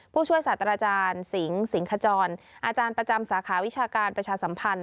ผู้ช่วยศาสตราจารย์สิงสิงขจรอาจารย์ประจำสาขาวิชาการประชาสัมพันธ